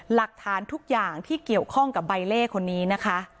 หลักฐานทุกอย่างที่เกี่ยวข้องกับใบเล่คนนี้นะคะ